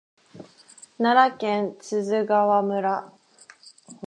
奈良県十津川村